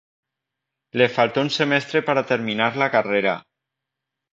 Le faltó un semestre para terminar la carrera.